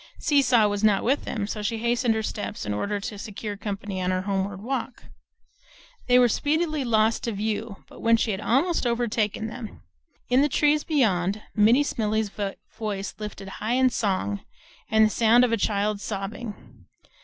Seesaw was not with them, so she hastened her steps in order to secure company on her homeward walk. They were speedily lost to view, but when she had almost overtaken them she heard, in the trees beyond, Minnie Smellie's voice lifted high in song, and the sound of a child's sobbing.